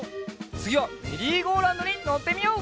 つぎはメリーゴーラウンドにのってみよう！